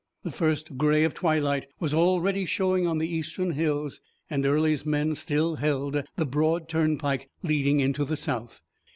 The first gray of twilight was already showing on the eastern hills, and Early's men still held the broad turnpike leading into the South.